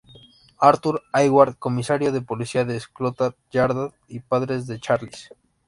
Arthur Hayward: Comisario de policía de Scotland Yard y padre de Charles.